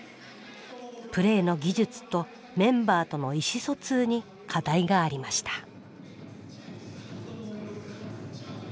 プレーの技術とメンバーとの意思疎通に課題がありました。